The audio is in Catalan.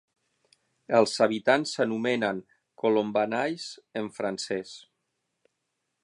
Els habitants s'anomenen "colombanais" en francès.